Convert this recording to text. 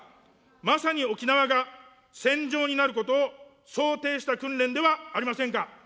まさに沖縄が戦場になることを想定した訓練ではありませんか。